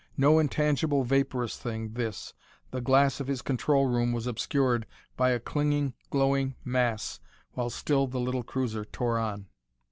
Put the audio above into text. No intangible, vaporous thing, this. The glass of his control room was obscured by a clinging, glowing mass while still the little cruiser tore on.